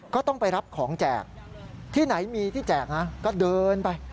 ก็ต้องไปรับของแจกที่ไหนมีที่แจกนะก็เดินไป